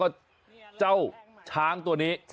ขอบคุณครับ